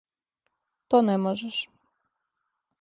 То не можеш!